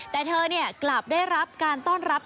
แต่เธอกลับได้รับการต้อนรับ